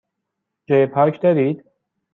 جای پارک دارید؟